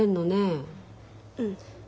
うん。